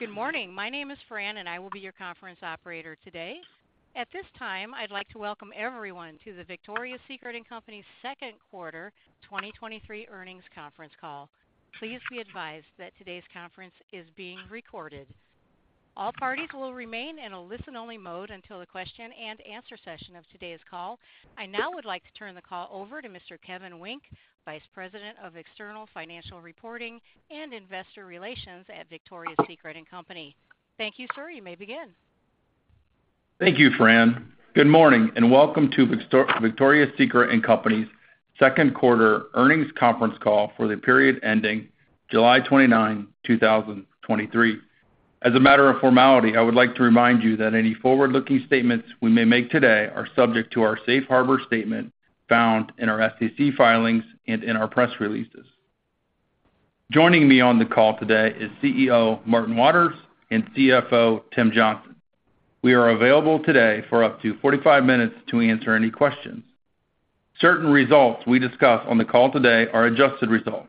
Good morning. My name is Fran, and I will be your conference operator today. At this time, I'd like to welcome everyone to the Victoria's Secret & Co.'s second quarter 2023 earnings conference call. Please be advised that today's conference is being recorded. All parties will remain in a listen-only mode until the question-and-answer session of today's call. I now would like to turn the call over to Mr. Kevin Wynk, Vice President of External Financial Reporting and Investor Relations at Victoria's Secret & Co. Thank you, sir. You may begin. Thank you, Fran. Good morning, and welcome to Victoria's Secret & Co.'s second quarter earnings conference call for the period ending July 29, 2023. As a matter of formality, I would like to remind you that any forward-looking statements we may make today are subject to our safe harbor statement found in our SEC filings and in our press releases. Joining me on the call today is CEO Martin Waters, and CFO Tim Johnson. We are available today for up to 45 minutes to answer any questions. Certain results we discuss on the call today are adjusted results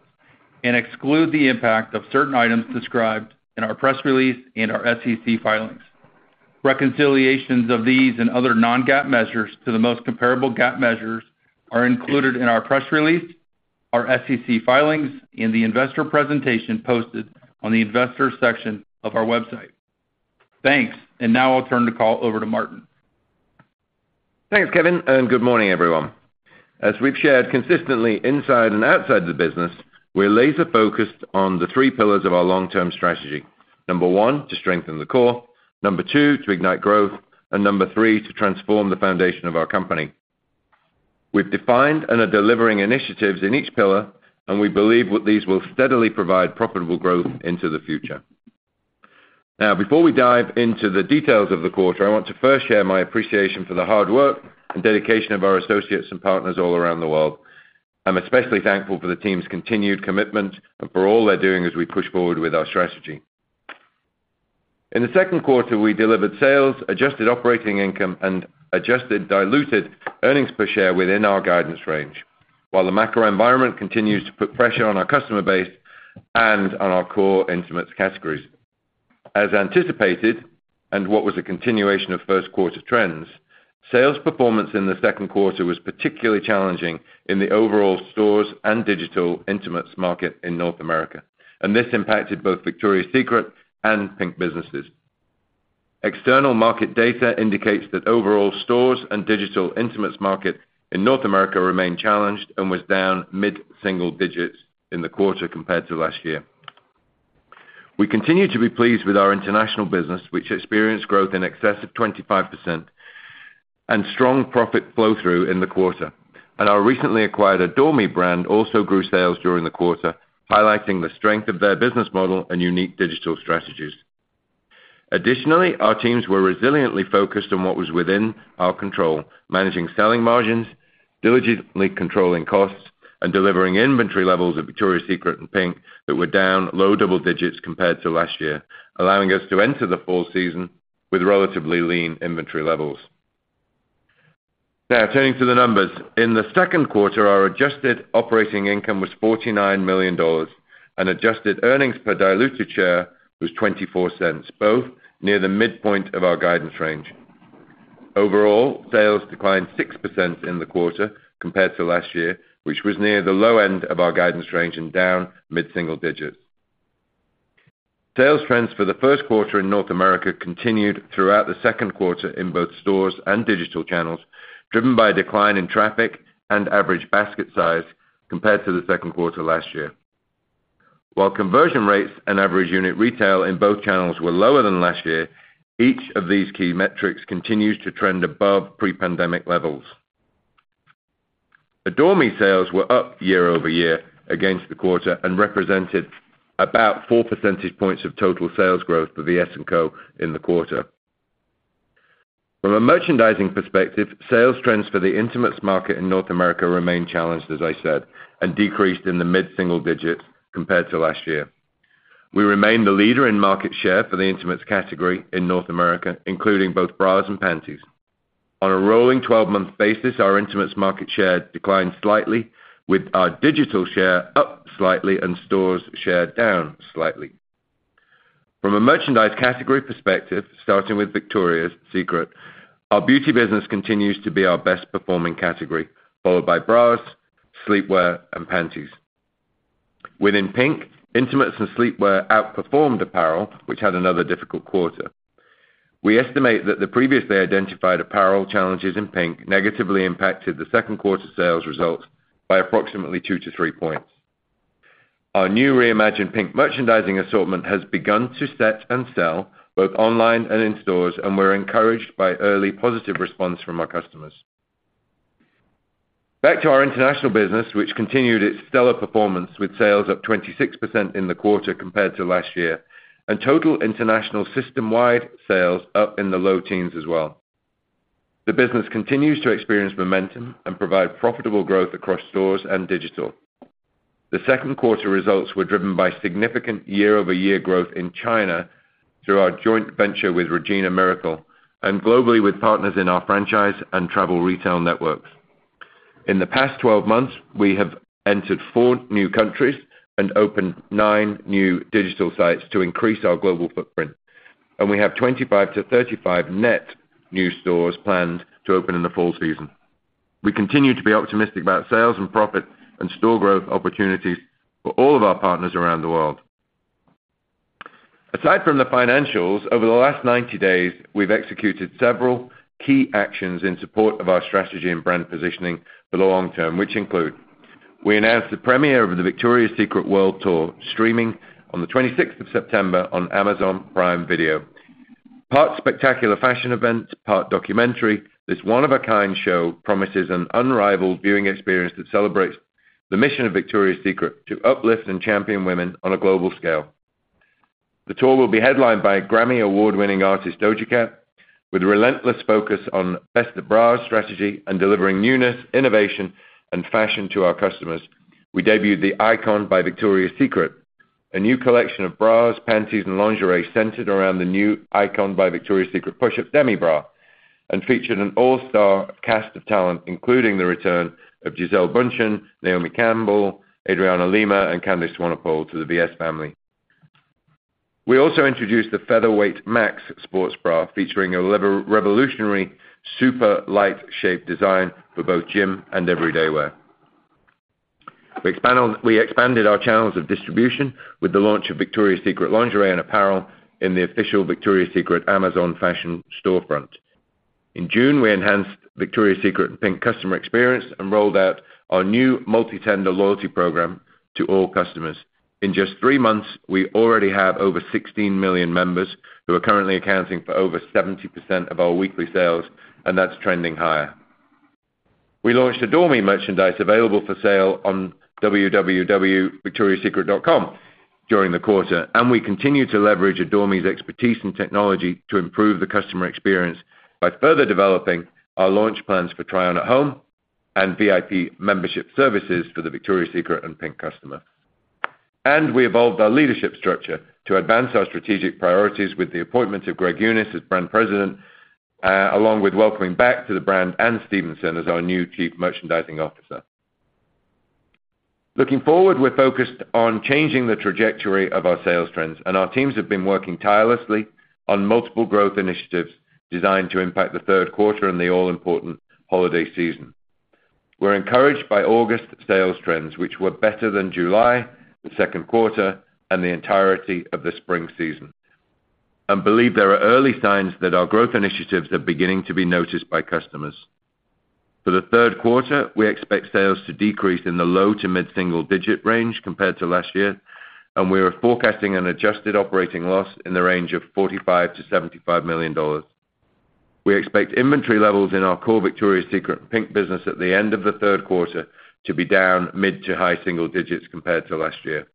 and exclude the impact of certain items described in our press release and our SEC filings. Reconciliations of these and other non-GAAP measures to the most comparable GAAP measures are included in our press release, our SEC filings, and the investor presentation posted on the investors section of our website. Thanks, and now I'll turn the call over to Martin. Thanks, Kevin, and good morning, everyone. As we've shared consistently inside and outside the business, we're laser-focused on the three pillars of our long-term strategy. Number one, to strengthen the core, number two, to ignite growth, and number three, to transform the foundation of our company. We've defined and are delivering initiatives in each pillar, and we believe what these will steadily provide profitable growth into the future. Now, before we dive into the details of the quarter, I want to first share my appreciation for the hard work and dedication of our associates and partners all around the world. I'm especially thankful for the team's continued commitment and for all they're doing as we push forward with our strategy. In the second quarter, we delivered sales, adjusted operating income, and adjusted diluted earnings per share within our guidance range, while the macro environment continues to put pressure on our customer base and on our core intimates categories. As anticipated, and what was a continuation of first quarter trends, sales performance in the second quarter was particularly challenging in the overall stores and digital intimates market in North America, and this impacted both Victoria's Secret and PINK businesses. External market data indicates that overall stores and digital intimates market in North America remained challenged and was down mid-single digits in the quarter compared to last year. We continue to be pleased with our international business, which experienced growth in excess of 25% and strong profit flow-through in the quarter. Our recently acquired Adore Me brand also grew sales during the quarter, highlighting the strength of their business model and unique digital strategies. Additionally, our teams were resiliently focused on what was within our control, managing selling margins, diligently controlling costs, and delivering inventory levels of Victoria's Secret and PINK that were down low double digits compared to last year, allowing us to enter the fall season with relatively lean inventory levels. Now, turning to the numbers. In the second quarter, our adjusted operating income was $49 million, and adjusted earnings per diluted share was $0.24, both near the midpoint of our guidance range. Overall, sales declined 6% in the quarter compared to last year, which was near the low end of our guidance range and down mid-single digits. Sales trends for the first quarter in North America continued throughout the second quarter in both stores and digital channels, driven by a decline in traffic and average basket size compared to the second quarter last year. While conversion rates and average unit retail in both channels were lower than last year, each of these key metrics continues to trend above pre-pandemic levels. Adore Me sales were up year-over-year against the quarter and represented about four percentage points of total sales growth for VS & Co in the quarter. From a merchandising perspective, sales trends for the intimates market in North America remained challenged, as I said, and decreased in the mid-single digits compared to last year. We remain the leader in market share for the intimates category in North America, including both bras and panties. On a rolling 12-month basis, our intimates market share declined slightly, with our digital share up slightly and stores share down slightly. From a merchandise category perspective, starting with Victoria's Secret, our beauty business continues to be our best-performing category, followed by bras, sleepwear, and panties. Within Pink, intimates and sleepwear outperformed apparel, which had another difficult quarter. We estimate that the previously identified apparel challenges in Pink negatively impacted the second quarter sales results by approximately two-three points. Our new reimagined Pink merchandising assortment has begun to set and sell both online and in stores, and we're encouraged by early positive response from our customers. Back to our international business, which continued its stellar performance, with sales up 26% in the quarter compared to last year, and total international system-wide sales up in the low teens as well. The business continues to experience momentum and provide profitable growth across stores and digital. The second quarter results were driven by significant year-over-year growth in China through our joint venture with Regina Miracle, and globally with partners in our franchise and travel retail networks. In the past 12 months, we have entered 4 new countries and opened nine new digital sites to increase our global footprint, and we have 25-35 net new stores planned to open in the fall season. We continue to be optimistic about sales and profit and store growth opportunities for all of our partners around the world. Aside from the financials, over the last 90 days, we've executed several key actions in support of our strategy and brand positioning for the long term, which include: we announced the premiere of the Victoria's Secret World Tour, streaming on the 26th of September on Amazon Prime Video. Part spectacular fashion event, part documentary, this one-of-a-kind show promises an unrivaled viewing experience that celebrates the mission of Victoria's Secret to uplift and champion women on a global scale. The tour will be headlined by Grammy Award-winning artist, Doja Cat, with a relentless focus on Best of Bras strategy and delivering newness, innovation, and fashion to our customers. We debuted the Icon by Victoria's Secret, a new collection of bras, panties, and lingerie centered around the new Icon by Victoria's Secret Push-Up Demi Bra, and featured an all-star cast of talent, including the return of Gisele Bündchen, Naomi Campbell, Adriana Lima, and Candice Swanepoel to the VS family. We also introduced the Featherweight Max sports bra, featuring a revolutionary super light shape design for both gym and everyday wear. We expanded our channels of distribution with the launch of Victoria's Secret lingerie and apparel in the official Victoria's Secret Amazon fashion storefront. In June, we enhanced Victoria's Secret and PINK customer experience and rolled out our new multi-tender loyalty program to all customers. In just three months, we already have over 16 million members, who are currently accounting for over 70% of our weekly sales, and that's trending higher. We launched Adore Me merchandise available for sale on www.victoriassecret.com during the quarter, and we continue to leverage Adore Me's expertise and technology to improve the customer experience by further developing our launch plans for Try On at Home and VIP membership services for the Victoria's Secret and PINK customer. We evolved our leadership structure to advance our strategic priorities with the appointment of Greg Unis as brand president, along with welcoming back to the brand, Anne Stephenson, as our new Chief Merchandising Officer. Looking forward, we're focused on changing the trajectory of our sales trends, and our teams have been working tirelessly on multiple growth initiatives designed to impact the third quarter and the all-important holiday season. We're encouraged by August sales trends, which were better than July, the second quarter, and the entirety of the spring season, and believe there are early signs that our growth initiatives are beginning to be noticed by customers. For the third quarter, we expect sales to decrease in the low- to mid-single-digit range compared to last year, and we are forecasting an adjusted operating loss in the range of $45 million-$75 million. We expect inventory levels in our core Victoria's Secret PINK business at the end of the third quarter to be down mid- to high-single-digits compared to last year.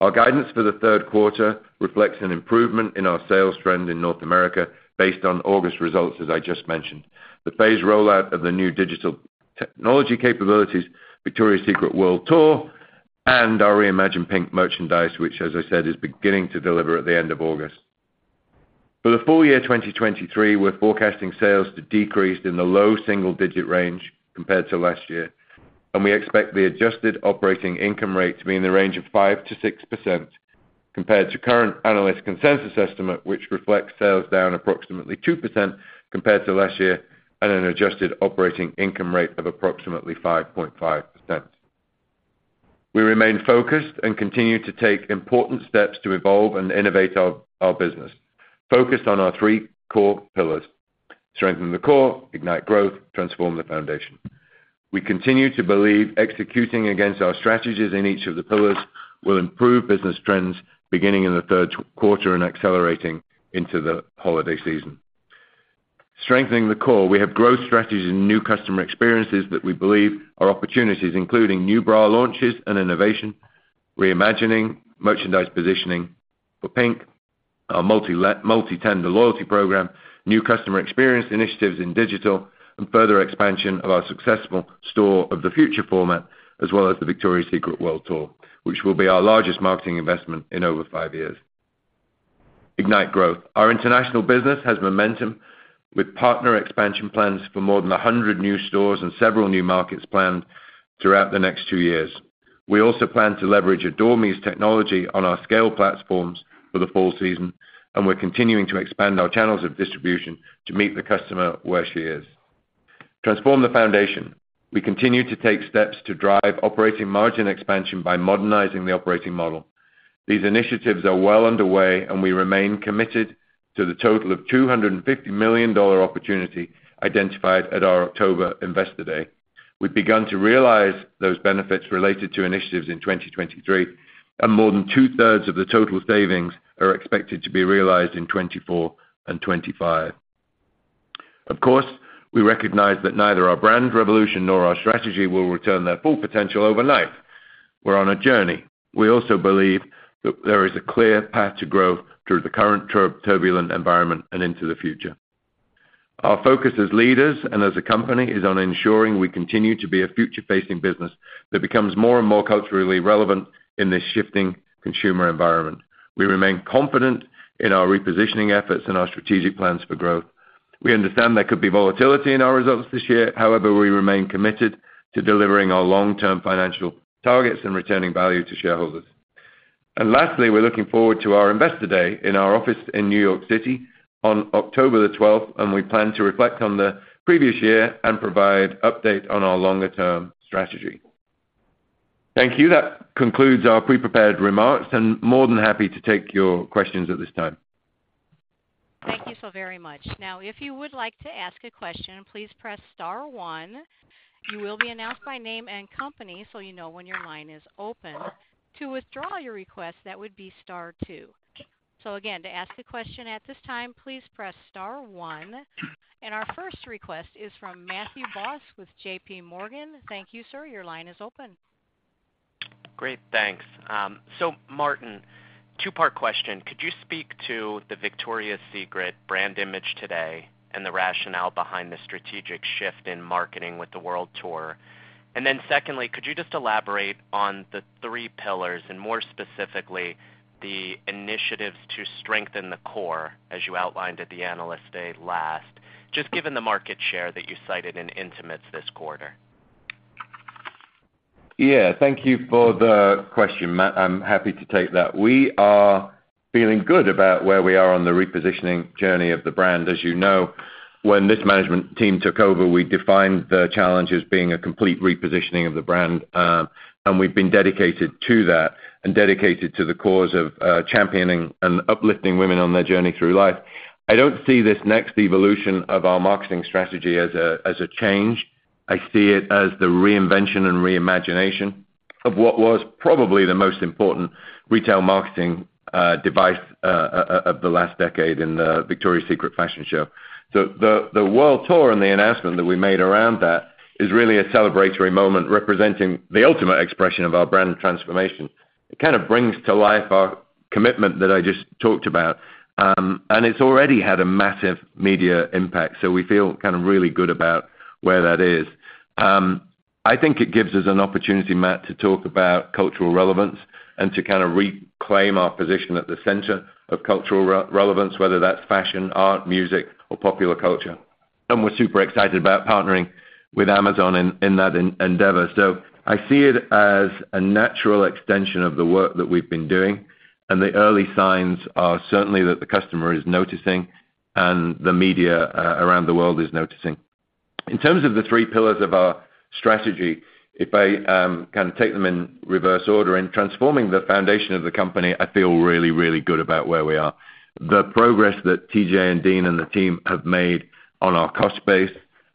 Our guidance for the third quarter reflects an improvement in our sales trend in North America based on August results, as I just mentioned. The phased rollout of the new digital technology capabilities, Victoria's Secret World Tour, and our reimagined PINK merchandise, which, as I said, is beginning to deliver at the end of August. For the full year 2023, we're forecasting sales to decrease in the low single-digit range compared to last year, and we expect the adjusted operating income rate to be in the range of 5%-6% compared to current analyst consensus estimate, which reflects sales down approximately 2% compared to last year, and an adjusted operating income rate of approximately 5.5%. We remain focused and continue to take important steps to evolve and innovate our, our business, focused on our three core pillars: strengthen the core, ignite growth, transform the foundation. We continue to believe executing against our strategies in each of the pillars will improve business trends beginning in the third quarter and accelerating into the holiday season. Strengthening the core, we have growth strategies and new customer experiences that we believe are opportunities, including new bra launches and innovation, reimagining merchandise positioning for PINK, our multi-tender loyalty program, new customer experience initiatives in digital, and further expansion of our successful Store of the Future format, as well as the Victoria's Secret World Tour, which will be our largest marketing investment in over five years. Ignite growth. Our international business has momentum with partner expansion plans for more than 100 new stores and several new markets planned throughout the next two years. We also plan to leverage Adore Me's technology on our scale platforms for the fall season, and we're continuing to expand our channels of distribution to meet the customer where she is. Transform the Foundation. We continue to take steps to drive operating margin expansion by modernizing the operating model. These initiatives are well underway, and we remain committed to the total of $250 million opportunity identified at our October Investor Day. We've begun to realize those benefits related to initiatives in 2023, and more than two-thirds of the total savings are expected to be realized in 2024 and 2025. Of course, we recognize that neither our brand revolution nor our strategy will return their full potential overnight. We're on a journey. We also believe that there is a clear path to growth through the current turbulent environment and into the future. Our focus as leaders and as a company is on ensuring we continue to be a future-facing business that becomes more and more culturally relevant in this shifting consumer environment. We remain confident in our repositioning efforts and our strategic plans for growth. We understand there could be volatility in our results this year. However, we remain committed to delivering our long-term financial targets and returning value to shareholders. Lastly, we're looking forward to our Investor Day in our office in New York City on October the twelfth, and we plan to reflect on the previous year and provide update on our longer-term strategy. Thank you. That concludes our pre-prepared remarks, and more than happy to take your questions at this time. Thank you so very much. Now, if you would like to ask a question, please press star one. You will be announced by name and company, so you know when your line is open. To withdraw your request, that would be star two. So again, to ask a question at this time, please press star one. And our first request is from Matthew Boss with JP Morgan. Thank you, sir. Your line is open. Great, thanks. So Martin, two-part question, Could you speak to the Victoria's Secret brand image today and the rationale behind the strategic shift in marketing with the World tour? And then secondly, could you just elaborate on the three pillars and more specifically, the initiatives to strengthen the core, as you outlined at the Analyst Day last, just given the market share that you cited in intimates this quarter? Yeah, thank you for the question, Matt. I'm happy to take that. We are feeling good about where we are on the repositioning journey of the brand. As you know, when this management team took over, we defined the challenge as being a complete repositioning of the brand, and we've been dedicated to that and dedicated to the cause of championing and uplifting women on their journey through life. I don't see this next evolution of our marketing strategy as a change. I see it as the reinvention and reimagination of what was probably the most important retail marketing device of the last decade in the Victoria's Secret Fashion Show. So the World tour and the announcement that we made around that is really a celebratory moment, representing the ultimate expression of our brand transformation. It kind of brings to life our commitment that I just talked about, and it's already had a massive media impact, so we feel kind of really good about where that is. I think it gives us an opportunity, Matt, to talk about cultural relevance and to kind of reclaim our position at the center of cultural relevance, whether that's fashion, art, music, or popular culture. We're super excited about partnering with Amazon in that endeavor. So I see it as a natural extension of the work that we've been doing, and the early signs are certainly that the customer is noticing and the media around the world is noticing. In terms of the three pillars of our strategy, if I kind of take them in reverse order, in Transforming the Foundation of the company, I feel really, really good about where we are. The progress that TJ and Dean and the team have made on our cost base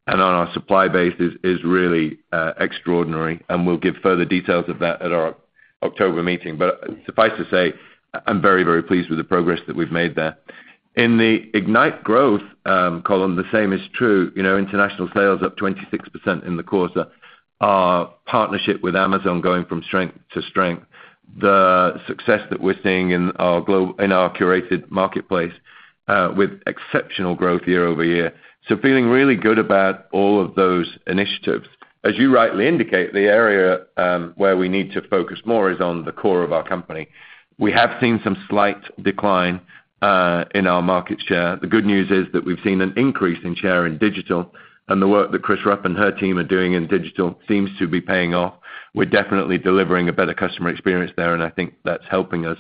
and on our supply base is really extraordinary, and we'll give further details of that at our October meeting. But suffice to say, I'm very, very pleased with the progress that we've made there. In the ignite growth column, the same is true. You know, international sales up 26% in the quarter. Our partnership with Amazon going from strength to strength. The success that we're seeing in our curated marketplace with exceptional growth year-over-year. So feeling really good about all of those initiatives. As you rightly indicate, the area where we need to focus more is on the core of our company. We have seen some slight decline in our market share. The good news is that we've seen an increase in share in digital, and the work that Chris Rupp and her team are doing in digital seems to be paying off. We're definitely delivering a better customer experience there, and I think that's helping us.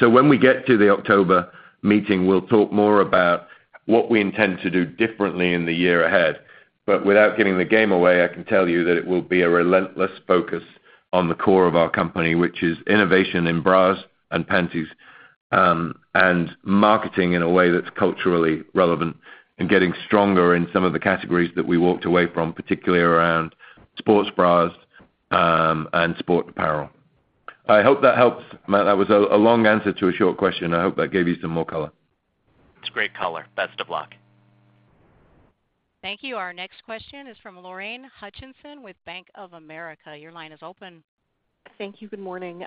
So when we get to the October meeting, we'll talk more about what we intend to do differently in the year ahead. But without giving the game away, I can tell you that it will be a relentless focus on the core of our company, which is innovation in bras and panties, and marketing in a way that's culturally relevant and getting stronger in some of the categories that we walked away from, particularly around sports bras, and sport apparel. I hope that helps, Matt. That was a long answer to a short question. I hope that gave you some more color. It's great color. Best of luck. Thank you. Our next question is from Lorraine Hutchinson with Bank of America. Your line is open. Thank you. Good morning.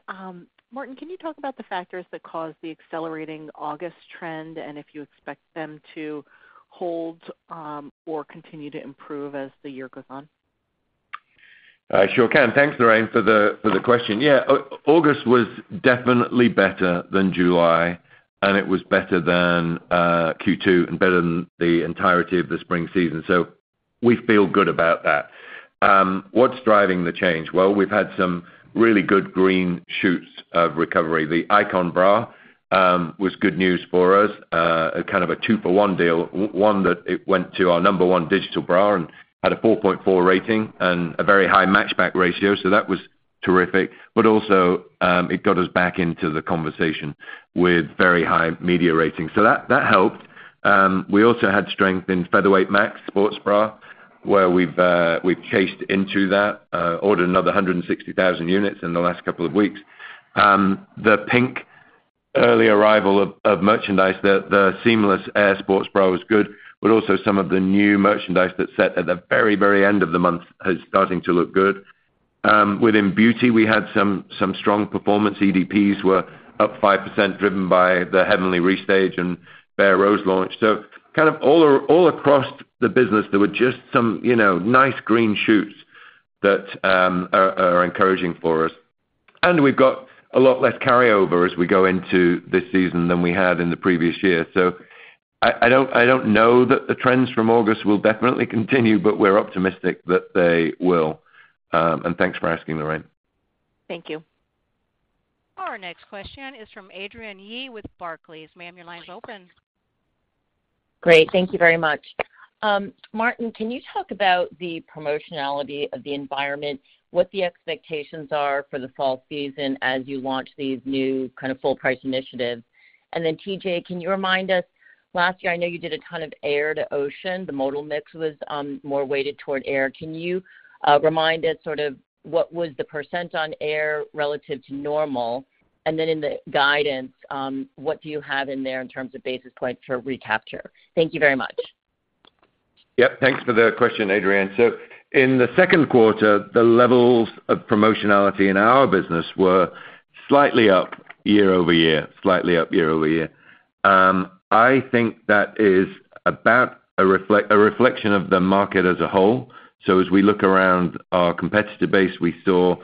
Martin, can you talk about the factors that caused the accelerating August trend and if you expect them to hold, or continue to improve as the year goes on? I sure can. Thanks, Lorraine, for the question. Yeah, August was definitely better than July, and it was better than Q2 and better than the entirety of the spring season, so we feel good about that. What's driving the change? Well, we've had some really good green shoots of recovery. The Icon bra was good news for us, kind of a two-for-one deal. One, that it went to our number one digital bra and had a 4.4 rating and a very high match back ratio, so that was terrific, but also, it got us back into the conversation with very high media ratings. So that, that helped. We also had strength in Featherweight Max sports bra, where we've chased into that, ordered another 160,000 units in the last couple of weeks. The PINK early arrival of merchandise, the Seamless Air sports bra was good, but also some of the new merchandise that sat at the very, very end of the month is starting to look good. Within beauty, we had some strong performance. EDPs were up 5%, driven by the Heavenly restage and Bare Rose launch. So kind of all across the business, there were just some, you know, nice green shoots that are encouraging for us. And we've got a lot less carryover as we go into this season than we had in the previous year. So I don't know that the trends from August will definitely continue, but we're optimistic that they will. And thanks for asking, Lorraine. Thank you. Our next question is from Adrienne Yih with Barclays. Ma'am, your line's open. Great. Thank you very much. Martin, can you talk about the promotionality of the environment, what the expectations are for the fall season as you launch these new kind of full price initiatives? And then, TJ, can you remind us, last year, I know you did a ton of air to ocean. The modal mix was more weighted toward air. Can you remind us sort of what was the percent on air relative to normal? And then in the guidance, what do you have in there in terms of basis points for recapture? Thank you very much. Yep. Thanks for the question, Adrienne. So in the second quarter, the levels of promotionality in our business were slightly up year-over-year, slightly up year-over-year. I think that is about a reflection of the market as a whole. So as we look around our competitor base, we saw,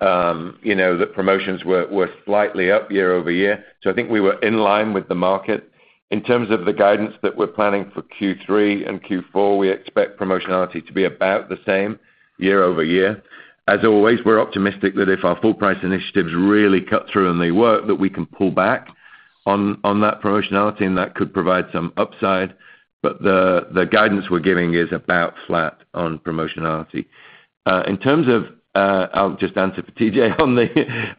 you know, that promotions were slightly up year-over-year. So I think we were in line with the market. In terms of the guidance that we're planning for Q3 and Q4, we expect promotionality to be about the same year-over-year. As always, we're optimistic that if our full price initiatives really cut through and they work, that we can pull back on that promotionality, and that could provide some upside. But the guidance we're giving is about flat on promotionality. In terms of, I'll just answer for TJ on the,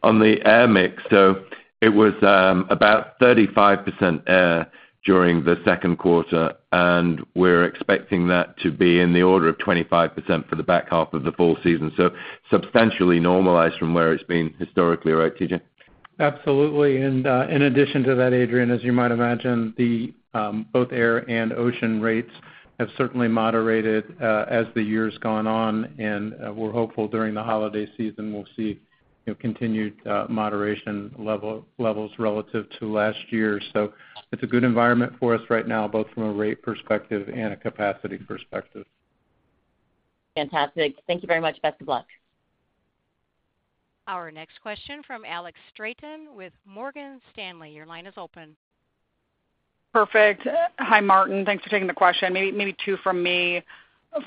on the air mix. So it was about 35% air during the second quarter, and we're expecting that to be in the order of 25% for the back half of the fall season. So substantially normalized from where it's been historically. Right, TJ? Absolutely. And in addition to that, Adrienne, as you might imagine, both air and ocean rates have certainly moderated as the years gone on, and we're hopeful during the holiday season, we'll see, you know, continued moderation levels relative to last year. So it's a good environment for us right now, both from a rate perspective and a capacity perspective. Fantastic. Thank you very much. Best of luck. Our next question from Alex Straton with Morgan Stanley. Your line is open. Perfect. Hi, Martin. Thanks for taking the question. Maybe two from me.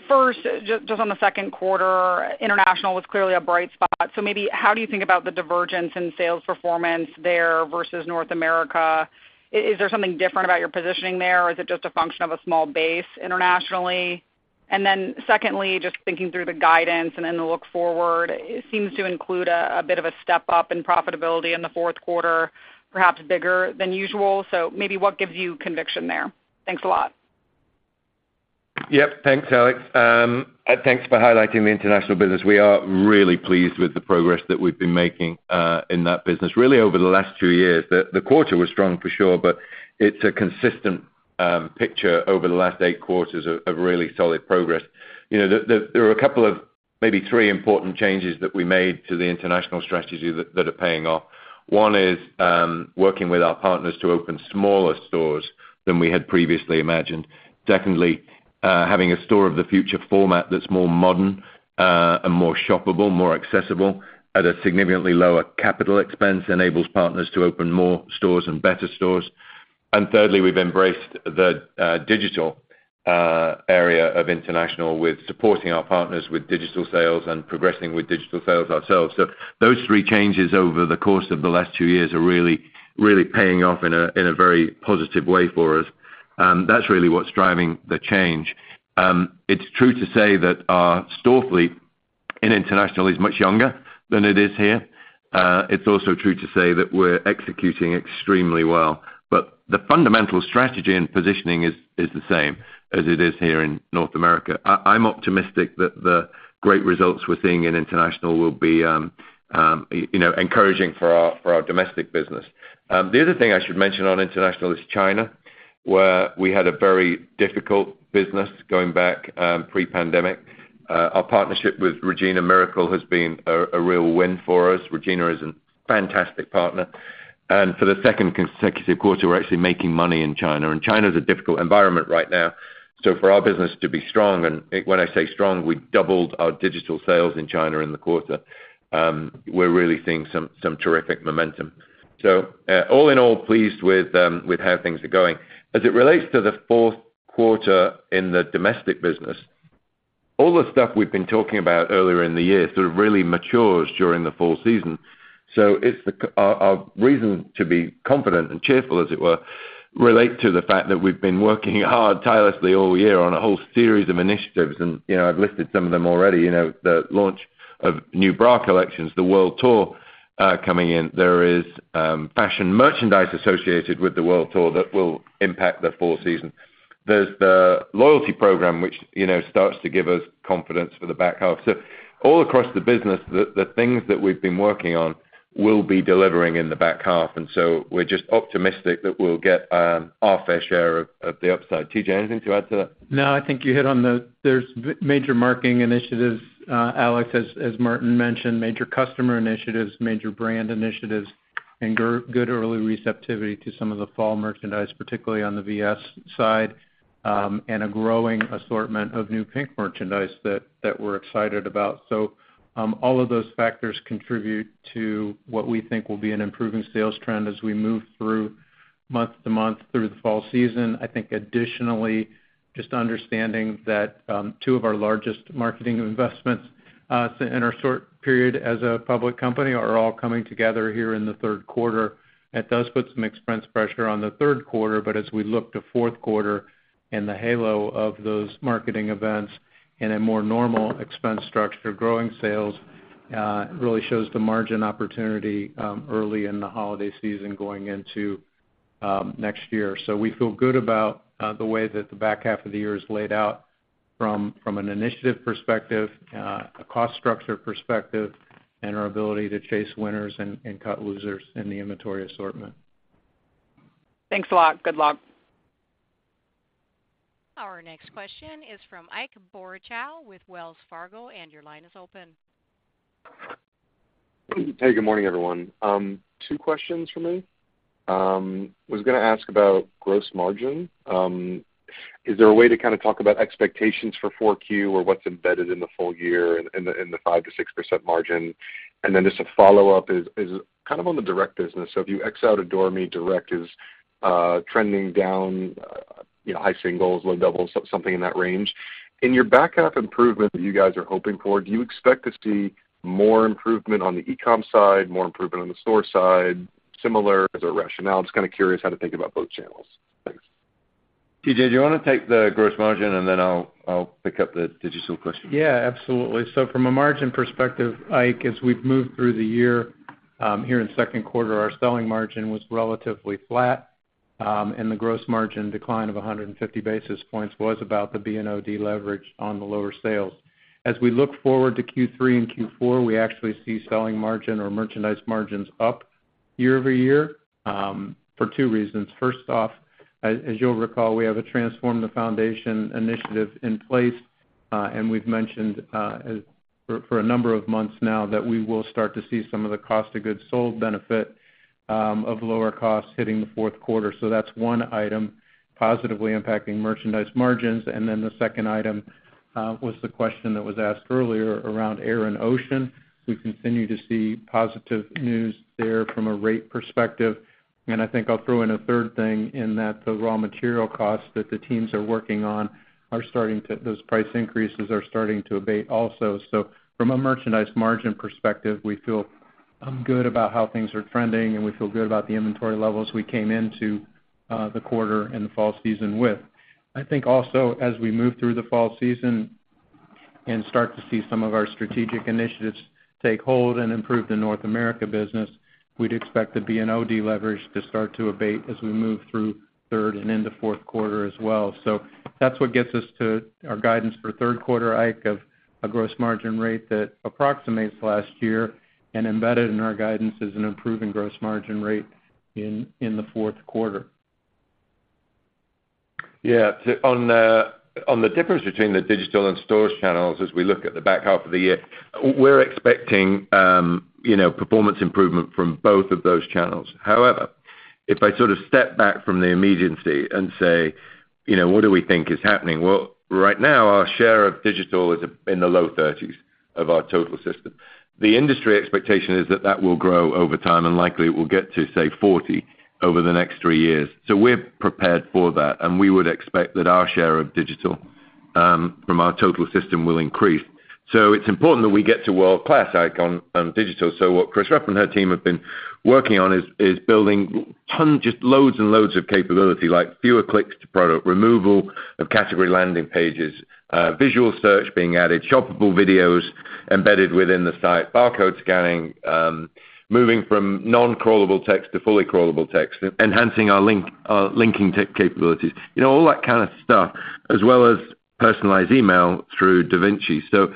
First, just on the second quarter, international was clearly a bright spot. So maybe how do you think about the divergence in sales performance there versus North America? Is there something different about your positioning there, or is it just a function of a small base internationally? And then secondly, just thinking through the guidance and then the look forward, it seems to include a bit of a step up in profitability in the fourth quarter, perhaps bigger than usual. So maybe what gives you conviction there? Thanks a lot. Yep. Thanks, Alex. Thanks for highlighting the international business. We are really pleased with the progress that we've been making in that business, really over the last two years. The quarter was strong, for sure, but it's a consistent picture over the last eight quarters of really solid progress. You know, there were a couple of, maybe three important changes that we made to the international strategy that are paying off. One is working with our partners to open smaller stores than we had previously imagined. Secondly, having a Store of the future format that's more modern and more shoppable, more accessible, at a significantly lower capital expense, enables partners to open more stores and better stores. And thirdly, we've embraced the digital area of international with supporting our partners with digital sales and progressing with digital sales ourselves. So those three changes over the course of the last two years are really, really paying off in a very positive way for us. That's really what's driving the change. It's true to say that our store fleet in international is much younger than it is here. It's also true to say that we're executing extremely well. But the fundamental strategy and positioning is the same as it is here in North America. I'm optimistic that the great results we're seeing in international will be, you know, encouraging for our domestic business. The other thing I should mention on international is China, where we had a very difficult business going back pre-pandemic. Our partnership with Regina Miracle has been a real win for us. Regina is a fantastic partner, and for the second consecutive quarter, we're actually making money in China. And China is a difficult environment right now, so for our business to be strong, and when I say strong, we doubled our digital sales in China in the quarter, we're really seeing some terrific momentum. So, all in all, pleased with how things are going. As it relates to the fourth quarter in the domestic business, all the stuff we've been talking about earlier in the year sort of really matures during the fall season. So it's our reason to be confident and cheerful, as it were, relate to the fact that we've been working hard tirelessly all year on a whole series of initiatives, and, you know, I've listed some of them already. You know, the launch of new bra collections, the World tour coming in. There is fashion merchandise associated with the World tour that will impact the fall season. There's the loyalty program which, you know, starts to give us confidence for the back half. So all across the business, the things that we've been working on will be delivering in the back half, and so we're just optimistic that we'll get our fair share of the upside. TJ, anything to add to that? No, I think you hit on the major marketing initiatives, Alex, as Martin mentioned, major customer initiatives, major brand initiatives, and good early receptivity to some of the fall merchandise, particularly on the VS side, and a growing assortment of new PINK merchandise that we're excited about. So, all of those factors contribute to what we think will be an improving sales trend as we move through month to month through the fall season. I think additionally, just understanding that, two of our largest marketing investments, in our short period as a public company are all coming together here in the third quarter. That does put some expense pressure on the third quarter, but as we look to fourth quarter and the halo of those marketing events and a more normal expense structure, growing sales really shows the margin opportunity early in the holiday season going into next year. So we feel good about the way that the back half of the year is laid out from an initiative perspective, a cost structure perspective, and our ability to chase winners and cut losers in the inventory assortment. Thanks a lot. Good luck. Our next question is from Ike Boruchow with Wells Fargo, and your line is open. Hey, good morning, everyone. Two questions for me. Was gonna ask about gross margin. Is there a way to kind of talk about expectations for Q4 or what's embedded in the full year in the 5%-6% margin? And then just a follow-up is kind of on the direct business. So if you X out Adore Me, direct is trending down, you know, high singles, low doubles, so something in that range. In your back half improvement that you guys are hoping for, do you expect to see more improvement on the e-com side, more improvement on the store side, similar as a rationale? I'm just kind of curious how to think about both channels. Thanks. TJ, do you want to take the gross margin, and then I'll pick up the digital question? Yeah, absolutely. So from a margin perspective, Ike, as we've moved through the year, here in second quarter, our selling margin was relatively flat, and the gross margin decline of 150 basis points was about the BNOD leverage on the lower sales. As we look forward to Q3 and Q4, we actually see selling margin or merchandise margins up year-over-year, for two reasons. First off, as you'll recall, we have a Transform the Foundation initiative in place, and we've mentioned, for a number of months now that we will start to see some of the cost of goods sold benefit, of lower costs hitting the fourth quarter. So that's one item positively impacting merchandise margins. And then the second item was the question that was asked earlier around air and ocean. We continue to see positive news there from a rate perspective, and I think I'll throw in a third thing in that the raw material costs that the teams are working on are starting to, those price increases are starting to abate also. So from a merchandise margin perspective, we feel good about how things are trending, and we feel good about the inventory levels we came into the quarter and the fall season with. I think also, as we move through the fall season and start to see some of our strategic initiatives take hold and improve the North America business, we'd expect the BNOD leverage to start to abate as we move through third and into fourth quarter as well. So that's what gets us to our guidance for third quarter, Ike, of a gross margin rate that approximates last year, and embedded in our guidance is an improving gross margin rate in the fourth quarter. Yeah. So on the difference between the digital and stores channels, as we look at the back half of the year, we're expecting, you know, performance improvement from both of those channels. However, if I sort of step back from the immediacy and say, you know, what do we think is happening? Well, right now, our share of digital is in the low 30s of our total system. The industry expectation is that that will grow over time, and likely it will get to, say, 40 over the next three years. So we're prepared for that, and we would expect that our share of digital from our total system will increase. So it's important that we get to world-class, Ike, on digital. So what Chris Rupp and her team have been working on is building tons, just loads and loads of capability, like fewer clicks to product, removal of category landing pages, visual search being added, shoppable videos embedded within the site, barcode scanning, moving from non-crawlable text to fully crawlable text, enhancing our link, linking tech capabilities. You know, all that kind of stuff, as well as personalized email through DaVinci. So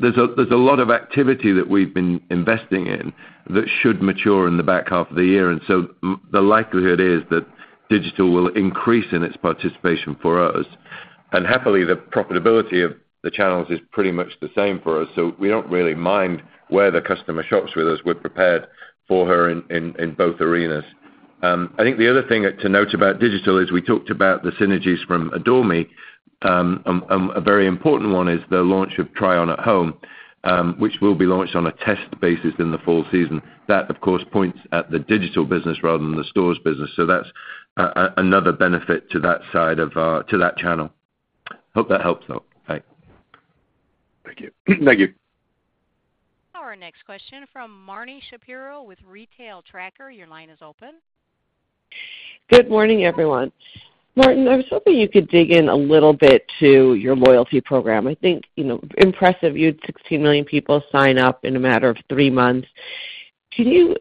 there's a lot of activity that we've been investing in that should mature in the back half of the year, and so the likelihood is that digital will increase in its participation for us. And happily, the profitability of the channels is pretty much the same for us, so we don't really mind where the customer shops with us. We're prepared for her in both arenas. I think the other thing to note about digital is we talked about the synergies from Adore Me. A very important one is the launch of Try On at Home, which will be launched on a test basis in the fall season. That, of course, points at the digital business rather than the stores business, so that's a another benefit to that side of our to that channel. Hope that helps, though. Bye. Thank you. Thank you. Our next question from Marni Shapiro with Retail Tracker. Your line is open. Good morning, everyone. Martin, I was hoping you could dig in a little bit to your loyalty program. I think, you know, impressive, you had 16 million people sign up in a matter of three months. Can you,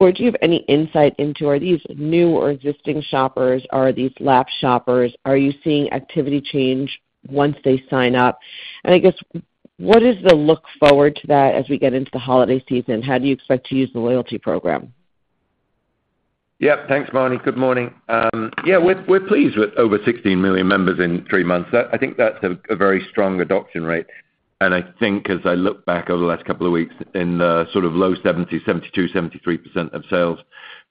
or do you have any insight into, are these new or existing shoppers? Are these lapsed shoppers? Are you seeing activity change once they sign up? And I guess, what is the look forward to that as we get into the holiday season? How do you expect to use the loyalty program? Yep. Thanks, Marni. Good morning. Yeah, we're pleased with over 16 million members in three months. That. I think that's a very strong adoption rate. And I think as I look back over the last couple of weeks in the sort of low 70, 72, 73% of sales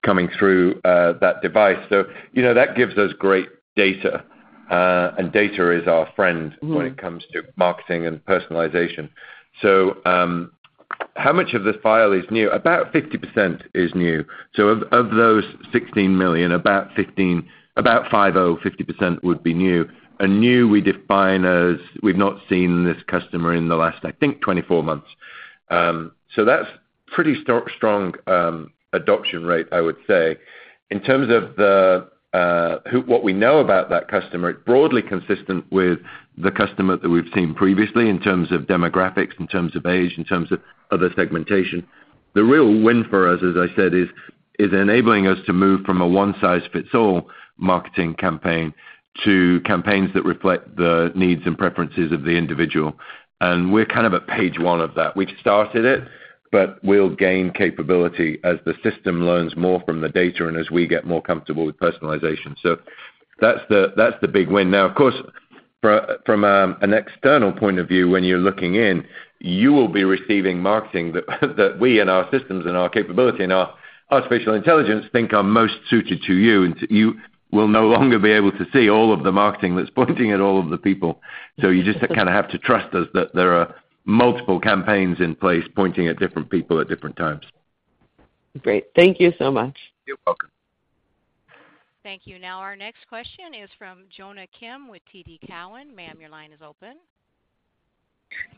coming through that device. So, you know, that gives us great data, and data is our friend when it comes to marketing and personalization. So, how much of this file is new? About 50% is new. So of those 16 million, about 50% would be new. And new, we define as we've not seen this customer in the last, I think, 24 months. So that's pretty strong adoption rate, I would say. In terms of the, what we know about that customer, it's broadly consistent with the customer that we've seen previously in terms of demographics, in terms of age, in terms of other segmentation. The real win for us, as I said, is enabling us to move from a one-size-fits-all marketing campaign to campaigns that reflect the needs and preferences of the individual, and we're kind of at page one of that. We've started it, but we'll gain capability as the system learns more from the data and as we get more comfortable with personalization. So that's the big win. Now, of course, from an external point of view, when you're looking in, you will be receiving marketing that we and our systems and our capability and our artificial intelligence think are most suited to you, and you will no longer be able to see all of the marketing that's pointing at all of the people. So you just kinda have to trust us that there are multiple campaigns in place, pointing at different people at different times. Great. Thank you so much. You're welcome. Thank you. Now, our next question is from Jonna Kim with TD Cowen. Ma'am, your line is open.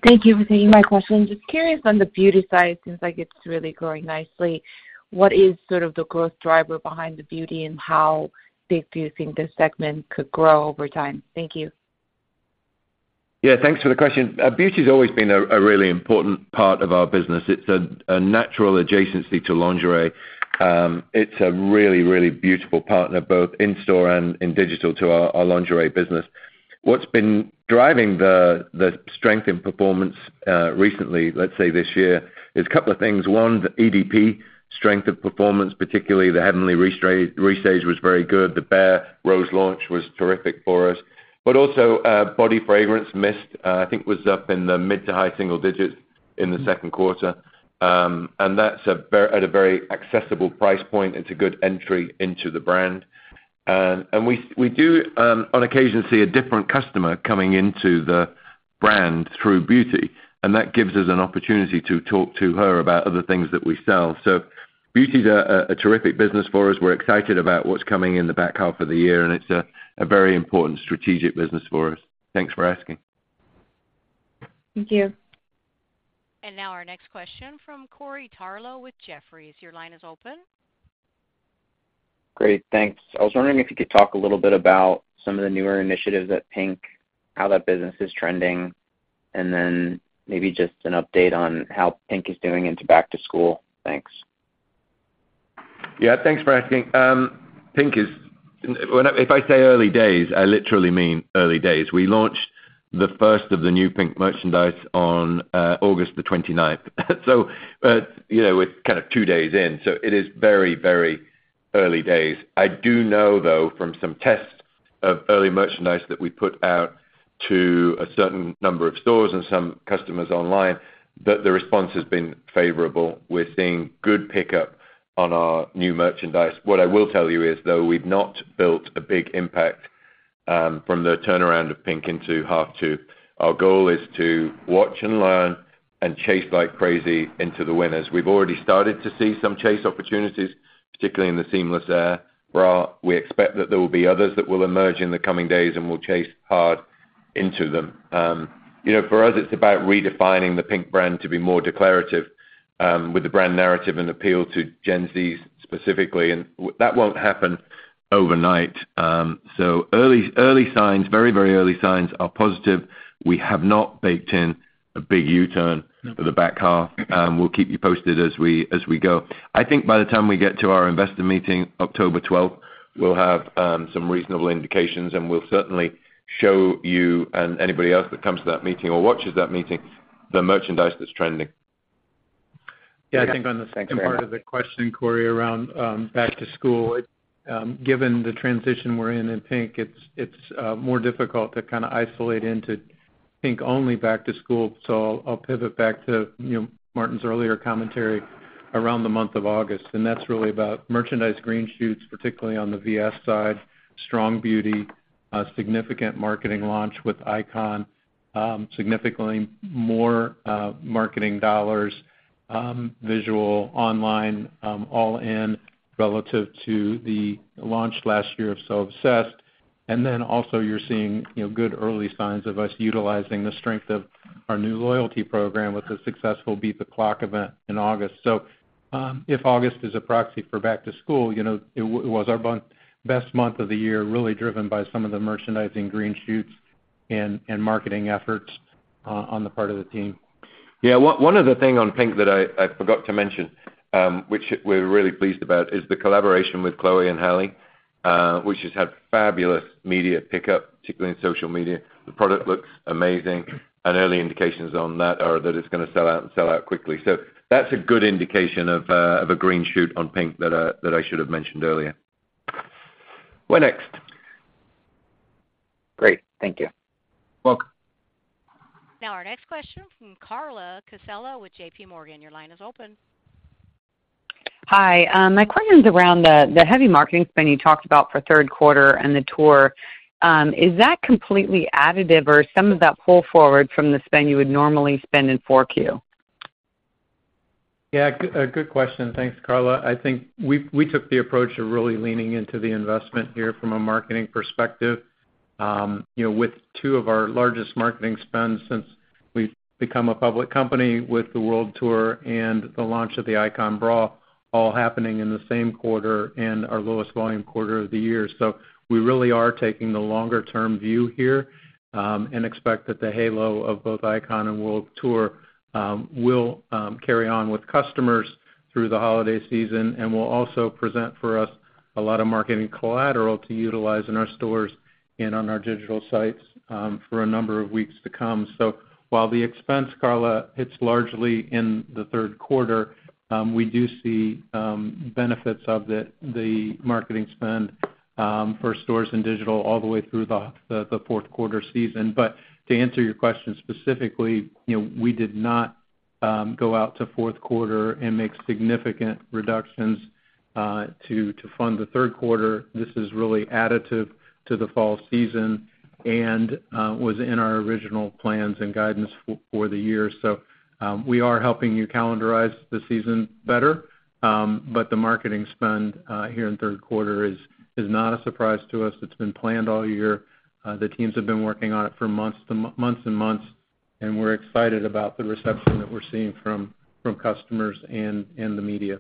Thank you for taking my question. Just curious, on the beauty side, seems like it's really growing nicely. What is sort of the growth driver behind the beauty, and how big do you think this segment could grow over time? Thank you. Yeah, thanks for the question. Beauty's always been a really important part of our business. It's a natural adjacency to lingerie. It's a really, really beautiful partner, both in store and in digital, to our lingerie business. What's been driving the strength in performance recently, let's say this year, is a couple of things. One, the EDP strength of performance, particularly the Heavenly restage, was very good. The Bare Rose launch was terrific for us. But also, body fragrance mist, I think was up in the mid- to high-single digits in the second quarter. And that's at a very accessible price point. It's a good entry into the brand. We do on occasion see a different customer coming into the brand through beauty, and that gives us an opportunity to talk to her about other things that we sell. So beauty is a terrific business for us. We're excited about what's coming in the back half of the year, and it's a very important strategic business for us. Thanks for asking. Thank you. And now our next question from Corey Tarlowe with Jefferies. Your line is open. Great, thanks. I was wondering if you could talk a little bit about some of the newer initiatives at PINK, how that business is trending, and then maybe just an update on how PINK is doing into back to school? Thanks. Yeah, thanks for asking. PINK is. When I say early days, I literally mean early days. We launched the first of the new PINK merchandise on August 29. So, you know, we're kind of two days in, so it is very, very early days. I do know, though, from some tests of early merchandise that we put out to a certain number of stores and some customers online, that the response has been favorable. We're seeing good pickup on our new merchandise. What I will tell you is, though, we've not built a big impact from the turnaround of PINK into half two. Our goal is to watch and learn and chase like crazy into the winners. We've already started to see some chase opportunities, particularly in the Seamless Air bra. We expect that there will be others that will emerge in the coming days, and we'll chase hard into them. You know, for us, it's about redefining the PINK brand to be more declarative, with the brand narrative and appeal to Gen Z specifically, and that won't happen overnight. So early, early signs, very, very early signs are positive. We have not baked in a big U-turn for the back half. We'll keep you posted as we go. I think by the time we get to our investor meeting, October 12th, we'll have some reasonable indications, and we'll certainly show you and anybody else that comes to that meeting or watches that meeting, the merchandise that's trending. Yeah, I think on the second part of the question, Corey, around back to school, given the transition we're in, in PINK, it's more difficult to kinda isolate into PINK-only back to school. So I'll pivot back to, you know, Martin's earlier commentary around the month of August, and that's really about merchandise green shoots, particularly on the VS side, strong beauty, a significant marketing launch with Icon, significantly more marketing dollars, visual, online, all in relative to the launch last year of So Obsessed. And then also you're seeing, you know, good early signs of us utilizing the strength of our new loyalty program with a successful Beat the Clock event in August. So, if August is a proxy for back to school, you know, it was our best month of the year, really driven by some of the merchandising green shoots and marketing efforts on the part of the team. Yeah, one other thing on PINK that I forgot to mention, which we're really pleased about, is the collaboration with Chloe and Halle, which has had fabulous media pickup, particularly in social media. The product looks amazing, and early indications on that are that it's gonna sell out and sell out quickly. So that's a good indication of a green shoot on PINK that I should have mentioned earlier. What next? Great. Thank you. Welcome. Now, our next question from Carla Casella with JP Morgan. Your line is open. Hi. My question is around the heavy marketing spend you talked about for third quarter and the tour. Is that completely additive or some of that pull forward from the spend you would normally spend in four Q? Yeah, good, a good question. Thanks, Carla. I think we took the approach of really leaning into the investment here from a marketing perspective. You know, with two of our largest marketing spends since we've become a public company with the World Tour and the launch of the Icon bra, all happening in the same quarter and our lowest volume quarter of the year. So we really are taking the longer-term view here, and expect that the halo of both Icon and World Tour will carry on with customers through the holiday season, and will also present for us a lot of marketing collateral to utilize in our stores and on our digital sites, for a number of weeks to come. So while the expense, Carla, hits largely in the third quarter, we do see benefits of the marketing spend for stores and digital all the way through the fourth quarter season. But to answer your question specifically, you know, we did not go out to fourth quarter and make significant reductions to fund the third quarter. This is really additive to the fall season and was in our original plans and guidance for the year. So, we are helping you calendarize the season better, but the marketing spend here in third quarter is not a surprise to us. It's been planned all year. The teams have been working on it for months and months, and we're excited about the reception that we're seeing from customers and the media.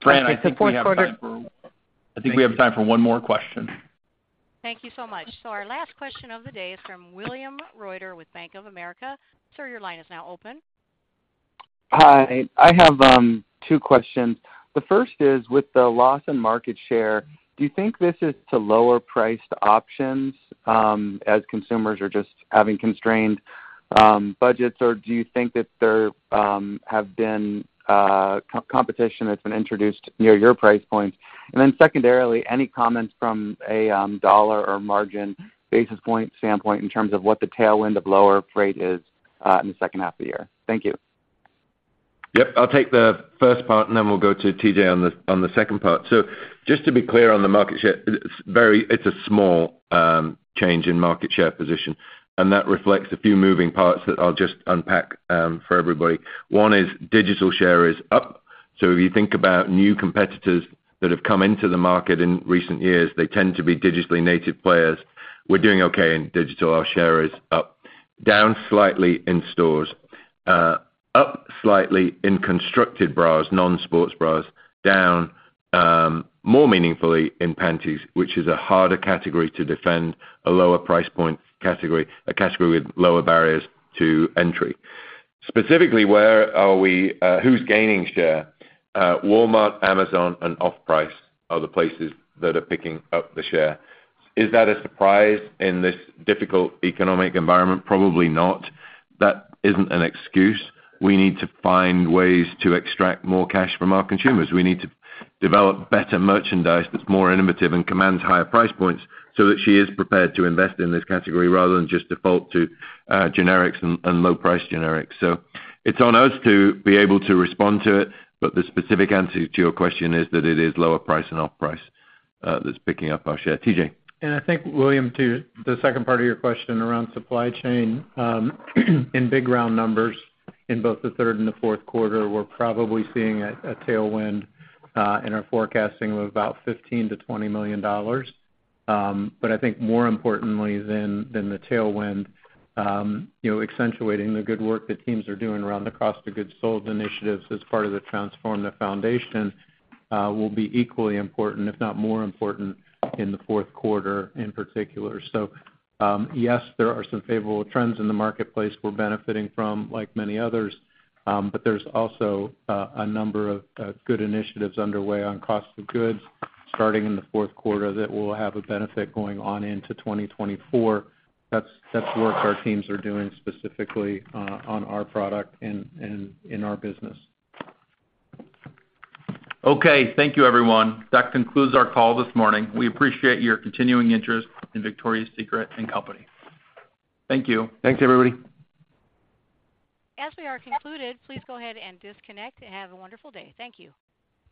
Great. The fourth quarter- I think we have time for one more question. Thank you so much. So our last question of the day is from William Reuter with Bank of America. Sir, your line is now open. Hi, I have two questions. The first is, with the loss in market share, do you think this is to lower priced options, as consumers are just having constrained budgets? Or do you think that there have been competition that's been introduced near your price points? And then secondarily, any comments from a dollar or margin basis point standpoint in terms of what the tailwind of lower freight is in the second half of the year? Thank you. Yep. I'll take the first part, and then we'll go to TJ on the second part. So just to be clear on the market share, it's a small change in market share position, and that reflects a few moving parts that I'll just unpack for everybody. One is digital share is up. So if you think about new competitors that have come into the market in recent years, they tend to be digitally native players. We're doing okay in digital. Our share is up. Down slightly in stores, up slightly in constructed bras, non-sports bras, down more meaningfully in panties, which is a harder category to defend, a lower price point category, a category with lower barriers to entry. Specifically, who's gaining share? Walmart, Amazon, and Off Price are the places that are picking up the share. Is that a surprise in this difficult economic environment? Probably not. That isn't an excuse. We need to find ways to extract more cash from our consumers. We need to develop better merchandise that's more innovative and commands higher price points so that she is prepared to invest in this category rather than just default to generics and low-price generics. So it's on us to be able to respond to it, but the specific answer to your question is that it is lower price and off price that's picking up our share. TJ? And I think, William, to the second part of your question around supply chain, in big round numbers, in both the third and the fourth quarter, we're probably seeing a tailwind in our forecasting of about $15 million-$20 million. But I think more importantly than the tailwind, you know, accentuating the good work that teams are doing around the cost of goods sold initiatives as part of the Transform the Foundation will be equally important, if not more important, in the fourth quarter in particular. So, yes, there are some favorable trends in the marketplace we're benefiting from, like many others, but there's also a number of good initiatives underway on cost of goods starting in the fourth quarter that will have a benefit going on into 2024. That's, that's work our teams are doing specifically on our product and in our business. Okay. Thank you, everyone. That concludes our call this morning. We appreciate your continuing interest in Victoria's Secret & Co. Thank you. Thanks, everybody. As we are concluded, please go ahead and disconnect. Have a wonderful day. Thank you.